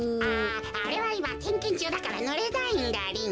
ああれはいまてんけんちゅうだからのれないんだリン。